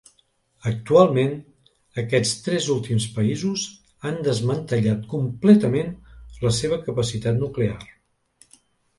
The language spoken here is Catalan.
Actualment, aquests tres últims països han desmantellat completament la seva capacitat nuclear.